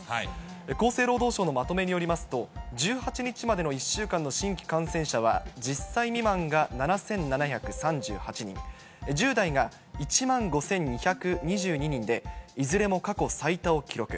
厚生労働省のまとめによりますと、１８日までの１週間の新規感染者は、１０歳未満が７７３８人、１０代が１万５２２２人で、いずれも過去最多を記録。